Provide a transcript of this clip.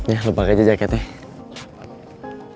ya lo pake aja jaketnya